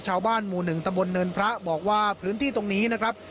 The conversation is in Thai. ชาวบ้านหมู่๑ตำบลเนินพระบอกว่าพื้นที่ตรงนี้นะครับ